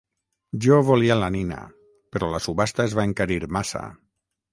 Jo volia la nina, però la subhasta es va encarir massa.